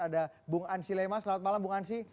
ada bung ansi lema selamat malam bung ansi